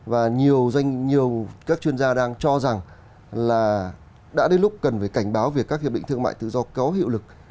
và nhiều các chuyên gia đang cho rằng là đã đến lúc cần phải cảnh báo về các hiệp định thương mại tự do có hiệu lực